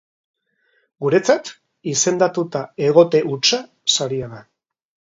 Guretzat, izendatuta egote hutsa saria da.